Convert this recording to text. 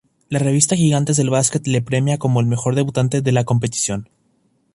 La revista Gigantes del Basket le premia como el Mejor Debutante de la competición.